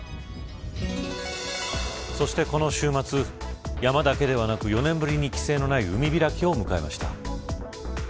そして、この週末山だけではなく４年ぶりに規制のない海開きを迎えました。